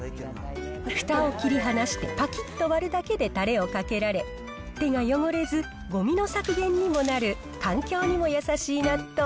ふたを切り離して、ぱきっと割るだけでたれをかけられ、手が汚れず、ごみの削減にもなる環境にも優しい納豆。